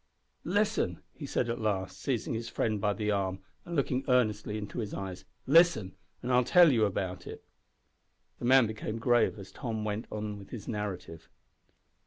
"Listen," he said at last, seizing his friend by the arm and looking earnestly into his eyes. "Listen, and I will tell you all about it." The man became grave as Tom went on with his narrative.